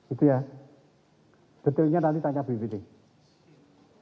itu ya detailnya nanti tanya bppt